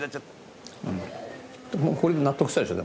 もうこれで納得したでしょ？